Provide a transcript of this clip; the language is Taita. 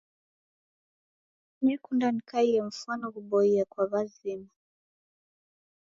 Nekunda nikaiye mfwano ghuboie kwa wazima.